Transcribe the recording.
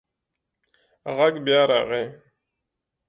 غږ بیا راغی.